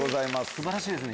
素晴らしいですね